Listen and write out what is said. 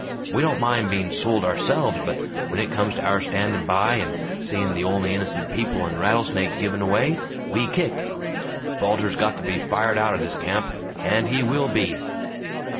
We don't mind being sold ourselves but when it comes to our standin' by and seein' the only innocent people in Rattlesnake given away we kick! Bulger's got to be fired outer this camp! And he will be!"